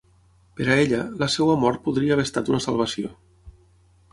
Per a ella, la seva mort podria haver estat una salvació.